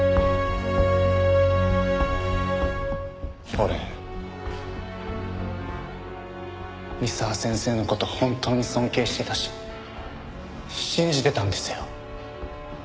俺三沢先生の事本当に尊敬してたし信じてたんですよ。